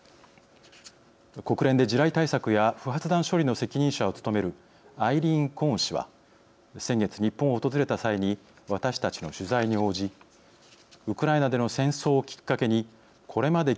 国連で地雷対策や不発弾処理の責任者を務めるアイリーン・コーン氏は先月日本を訪れた際に私たちの取材に応じと危機感を訴えていました。